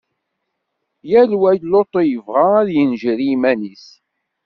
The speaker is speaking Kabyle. Yal wa lutu i yebɣa ad d-yenǧeri yiman-is.